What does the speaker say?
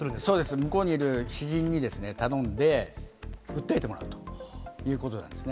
向こうにいる知人に頼んで、訴えてもらうということなんですね。